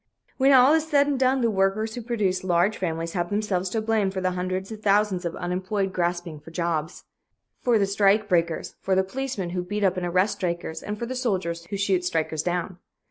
When all is said and done, the workers who produce large families have themselves to blame for the hundreds of thousands of unemployed grasping for jobs, for the strike breakers, for the policemen who beat up and arrest strikers and for the soldiers who shoot strikers down.